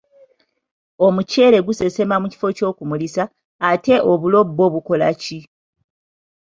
Omuceere gusesema mu kifo ky'okumulisa, ate obulo bwo bukola ki?